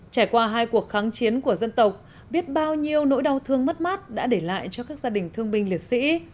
trải qua hai cuộc kháng chiến của dân tộc biết bao nhiêu nỗi đau thương mất mát đã để lại cho các gia đình thương binh liệt sĩ